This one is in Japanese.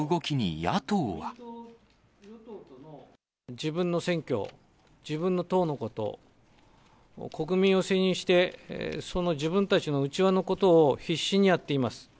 自分の選挙、自分の党のこと、国民を背にして、その自分たちの内輪のことを必死にやっています。